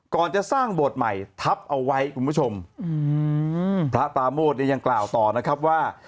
ก่อนจะสร้างบทใหม่ทับเอาไว้คุณผู้ชมพระตามวทย์ยังกล่าวต่อนะครับว่า